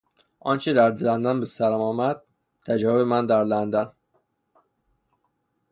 آنچه در لندن به سرم آمد...، تجارب من در لندن...